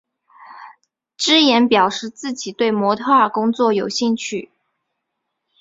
芝妍表示自己对模特儿工作有兴趣。